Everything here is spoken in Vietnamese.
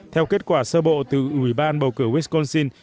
theo kết quả sơ bộ từ ủy ban bầu cử westcoin